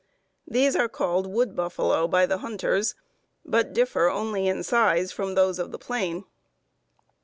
These are called wood buffalo by the hunters, but diner only in size from those of the plain."